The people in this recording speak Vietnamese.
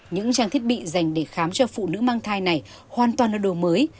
những trang thiết bị dành để khám cho phụ nữ mang thai này hoàn toàn là đồ mới